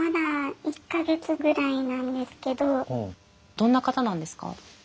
どんな方なんですか？